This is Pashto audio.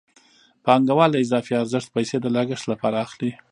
پانګوال له اضافي ارزښت پیسې د لګښت لپاره اخلي